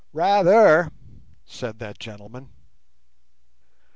"Rather," said that gentleman.